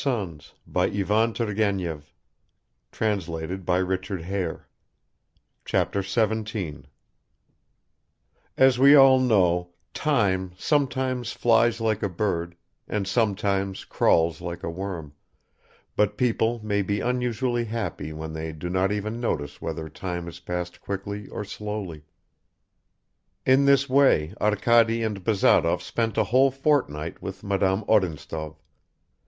"As if we had not seen each other already today!" Chapter 17 AS WE ALL KNOW, TIME SOMETIMES FLIES LIKE A BIRD, AND sometimes crawls like a worm, but people may be unusually happy when they do not even notice whether time has passed quickly or slowly; in this way Arkady and Bazarov spent a whole fortnight with Madame Odintsov.